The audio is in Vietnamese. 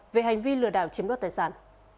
về hành vi lừa đảo chiếm đốt tài sản